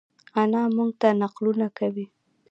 انا مونږ ته نقلونه کوی